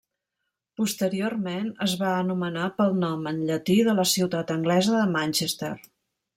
Posteriorment es va anomenar pel nom en llatí de la ciutat anglesa de Manchester.